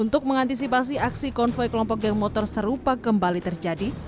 untuk mengantisipasi aksi konvoy kelompok geng motor serupa kembali terjadi